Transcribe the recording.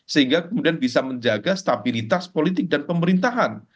sehingga kemudian bisa menjaga stabilitas politik dan pemerintahan